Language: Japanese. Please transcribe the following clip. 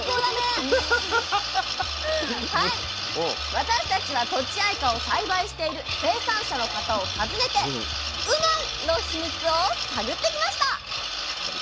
私たちはとちあいかを栽培している生産者の方を訪ねてうまいッ！のヒミツを探ってきました。